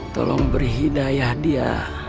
tolong beri hidayah dia